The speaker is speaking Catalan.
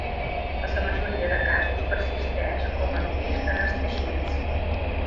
A la majoria dels casos persisteix com quists als teixits.